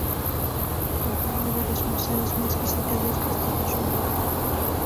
Es por tanto uno de los museos más visitados de Estados Unidos.